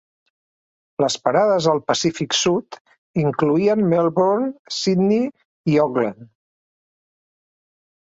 Les parades al Pacífic Sud incloïen Melbourne, Sydney, i Auckland.